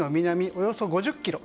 およそ５０ｋｍ